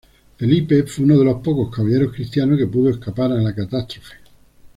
Felipe fue uno de los pocos caballeros cristianos que pudo escapar a la catástrofe.